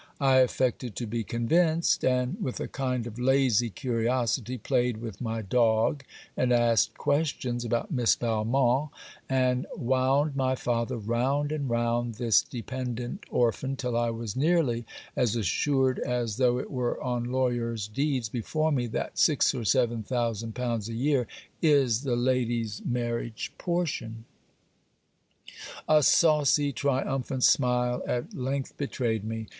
I affected to be convinced; and, with a kind of lazy curiosity, played with my dog and asked questions about Miss Valmont, and wound my father round and round this dependent orphan, till I was nearly as assured as though it were on lawyer's deeds before me that six or seven thousand pounds a year is the lady's marriage portion. A saucy triumphant smile at length betrayed me.